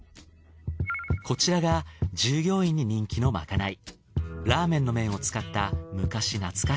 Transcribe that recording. こちらが従業員に人気のまかない。